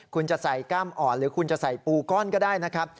คุณจะใส่กล้ามอ่อนหรือคุณจะใส่ปูก้อนก็ได้นะครับ